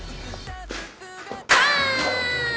パーン！